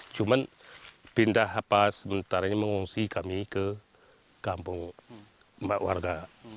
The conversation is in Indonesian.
cuman pindah apa sementara ini mengungsi kami ke kampung warga